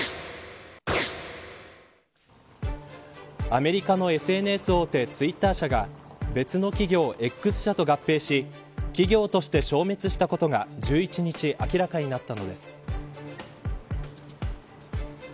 アメリカのＳＮＳ大手ツイッター社が別の企業、Ｘ社と合併し企業として消滅したことが１１日明らかになったのです。